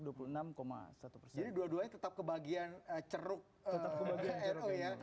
jadi dua duanya tetap kebagian ceruk nu ya